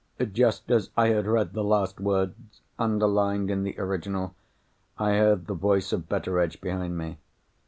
_" Just as I had read the last words—underlined in the original—I heard the voice of Betteredge behind me.